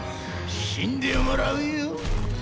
死んでもらうよ。